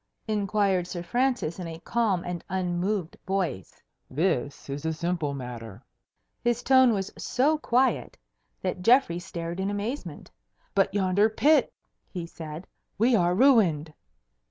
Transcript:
inquired Sir Francis in a calm and unmoved voice. "This is a simple matter." His tone was so quiet that Geoffrey stared in amazement. "But yonder pit!" he said. "We are ruined!"